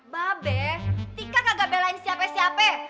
babe tika gak belain siapa siapa